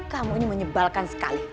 kamu ini menyebalkan sekali